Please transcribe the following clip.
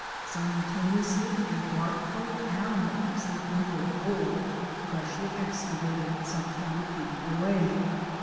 Simultaneously a dark colored animal slipped into a hole freshly excavated some twenty feet away.